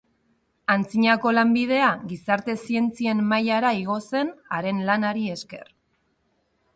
Antzinako lanbidea gizarte-zientzien mailara igo zen haren lanari esker.